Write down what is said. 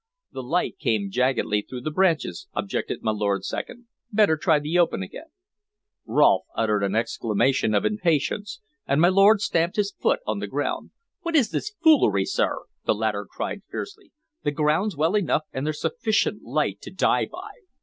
"The light comes jaggedly through the branches," objected my lord's second. "Better try the open again." Rolfe uttered an exclamation of impatience, and my lord stamped his foot on the ground. "What is this foolery, sir?" the latter cried fiercely. "The ground's well enough, and there 's sufficient light to die by."